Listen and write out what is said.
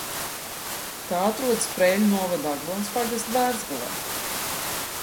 Tā atrodas Preiļu novada Aglonas pagasta Bērzgalē.